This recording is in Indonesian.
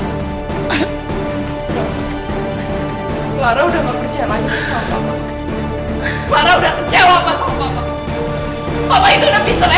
juhih sullivan madragal dan tak ada tim gilapa tanggung buddies regarding dollars